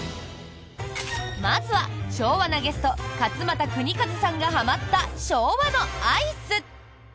まずは昭和なゲスト勝俣州和さんがはまった昭和のアイス。